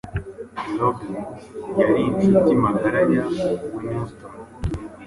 Robyn yari inshuti magara ya Whitney Houston